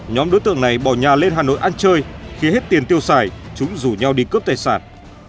nhóm đối tượng này bỏ nhà lên hà nội ăn chơi khi hết tiền tiêu xài chúng rủ nhau đi cướp tài sản